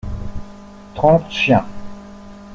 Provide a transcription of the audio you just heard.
Trente chiens.